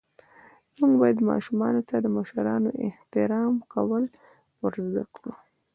موږ باید ماشومانو ته د مشرانو احترام کول ور زده ڪړو.